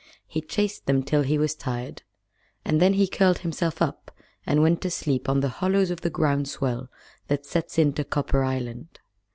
He chased them till he was tired, and then he curled himself up and went to sleep on the hollows of the ground swell that sets in to Copper Island.